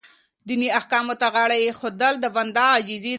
دیني احکامو ته غاړه ایښودل د بنده عاجزي ده.